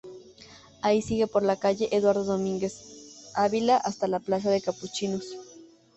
Ahí sigue por la calle Eduardo Domínguez Ávila hasta la Plaza de Capuchinos.